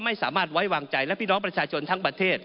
ไม่สามารถไว้วางใจและพี่น้องประชาชนทั้งประเทศ